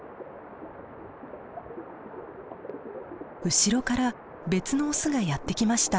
後ろから別のオスがやって来ました。